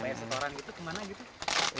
bayar setoran kemana gitu